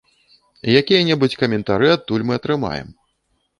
Якія-небудзь каментары адтуль мы атрымаем.